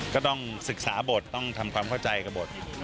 ก็ต้องศึกษาบทต้องทำความเข้าใจกับบท